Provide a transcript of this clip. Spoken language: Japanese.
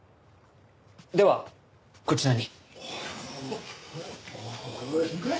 ではこちらに。